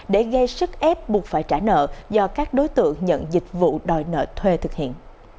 để gây sức ép buộc phải trả nợ do các đối tượng nhận dịch vụ đòi nợ thuê thực hiện